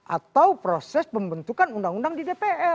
atau proses pembentukan undang undang di dpr